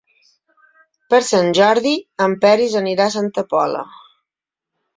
Per Sant Jordi en Peris anirà a Santa Pola.